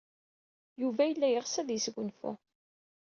Yuba yella yeɣs ad yesgunfu.